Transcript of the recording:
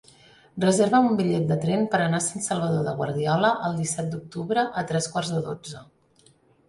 Reserva'm un bitllet de tren per anar a Sant Salvador de Guardiola el disset d'octubre a tres quarts de dotze.